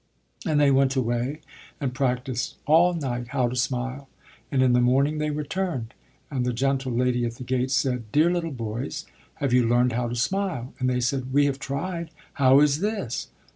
And they went away, and practised all night how to smile; and, in the morning, they returned. And the gentle lady at the gate said: "Dear little boys, have you learned how to smile?" And they said: "We have tried. How is this?"